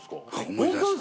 思い出した。